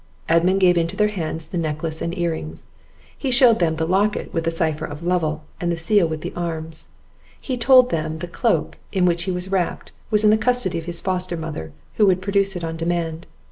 Edmund gave into their hands the necklace and earrings; he showed them the locket with the cypher of Lovel, and the seal with the arms; he told them the cloak, in which he was wrapped, was in the custody of his foster mother, who would produce it on demand.